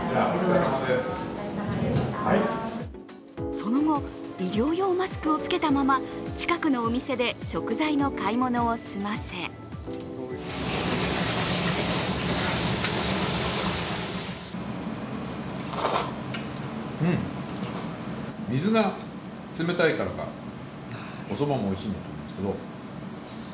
その後、医療用マスクを着けたまま近くのお店で食材の買い物を済ませ水が冷たいからか、おそばもおいしいんですけど。